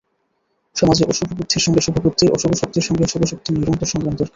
সমাজে অশুভ বুদ্ধির সঙ্গে শুভবুদ্ধির, অশুভ শক্তির সঙ্গে শুভশক্তির নিরন্তর সংগ্রাম দরকার।